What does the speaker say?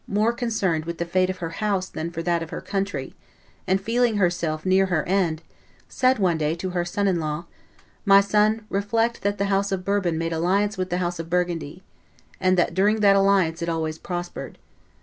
more concerned for the fate of her House than for that of her country, and feeling herself near her end, said one day to her son in law, "My son, reflect that the House of Bourbon made alliance with the House of Burgundy, and that during that alliance it always prospered.